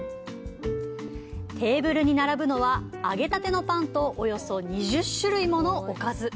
テーブルに並ぶのは、揚げたてのパンと、およそ２０種類ものおかず。